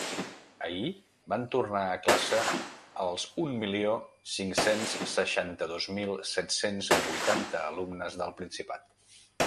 Ahir van tornar a classe els un milió cinc-cents seixanta-dos mil set-cents vuitanta alumnes del Principat.